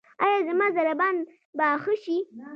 ایا زما ضربان به ښه شي؟